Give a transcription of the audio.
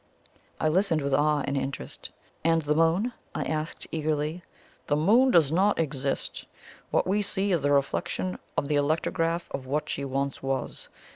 I listened with awe and interest. "And the Moon?" I asked eagerly. "The Moon does not exist. What we see is the reflection or the electrograph of what she once was.